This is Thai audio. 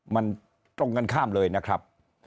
มันตรงกันข้ามเลยนะครับ